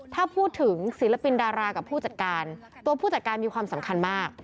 ถ้าพูดถึงศิลปินดารากับผู้จัดการตัวผู้จัดการมีความสำคัญมาก